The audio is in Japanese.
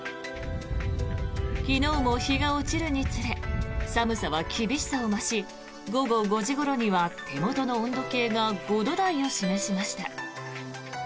昨日も日が落ちるにつれ寒さは厳しさを増し午後５時ごろには手元の温度計が５度台を示しました。